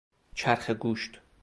چرخ گوشت